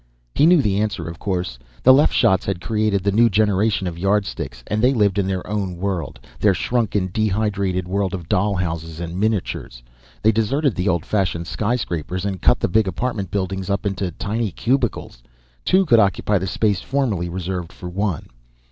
He knew the answer, of course. The Leff shots had created the new generation of Yardsticks, and they lived in their own world. Their shrunken, dehydrated world of doll houses and miniatures. They'd deserted the old fashioned skyscrapers and cut the big apartment buildings up into tiny cubicles; two could occupy the space formerly reserved for one.